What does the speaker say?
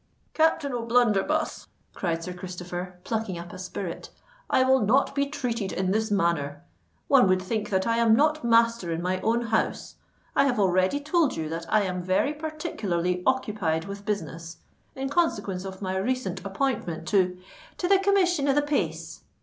"Captain O'Blunderbuss," cried Sir Christopher, plucking up a spirit, "I will not be treated in this manner! One would think that I am not master in my own house. I have already told you that I am very particularly occupied with business—in consequence of my recent appointment to——" "To the Commission of the Pace!"